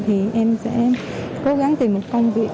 thì em sẽ cố gắng tìm một công việc